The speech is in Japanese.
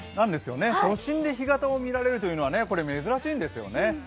都心で干潟を見られるというのは珍しいんですよね。